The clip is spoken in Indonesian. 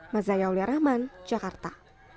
mazayahulia rahman jakarta